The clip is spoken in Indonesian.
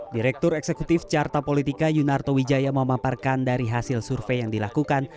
direktur eksekutif carta politika yunarto wijaya memaparkan dari hasil survei yang dilakukan